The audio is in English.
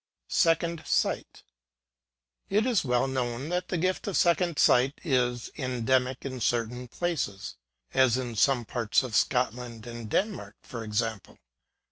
SECOND SIGHT. It is well known that the gift of second sight is endemic in certain places ŌĆö as in some parts of Scot land and Denmark, for example.